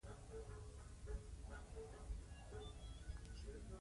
څنګه دوام ومومي او څنګه اصلاح کیږي؟